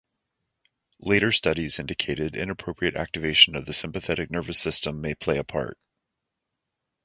Later studies indicated inappropriate activation of the sympathetic nervous system may play a part.